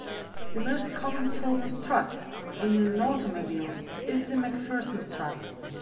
The most common form of strut in an automobile is the MacPherson strut.